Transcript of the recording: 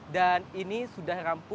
dan ini sudah rampas